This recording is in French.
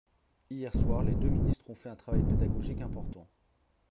Hier soir, les deux ministres ont fait un travail pédagogique important.